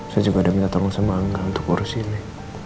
saya juga ada minta tolong sama angga untuk urus ini